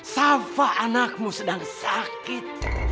sava anakmu sedang sakit